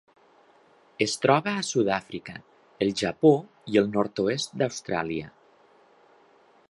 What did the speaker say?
Es troba a Sud-àfrica, el Japó i el nord-oest d'Austràlia.